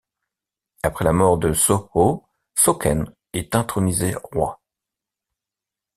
Après la mort de Shō Hō, Shō Ken est intronisé roi.